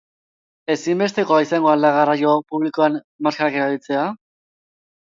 Ezinbestekoa izango al da garraio publikoan maskarak erabiltzea?